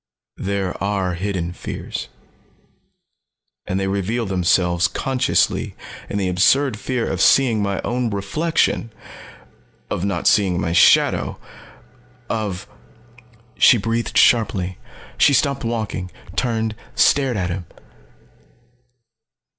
There are hidden fears. And they reveal themselves consciously in the absurd fear of seeing my own reflection. Of not seeing my shadow. Of " She breathed sharply. She stopped walking, turned, stared at him.